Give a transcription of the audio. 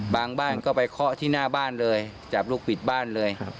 บ้านก็ไปเคาะที่หน้าบ้านเลยจับลูกปิดบ้านเลยครับ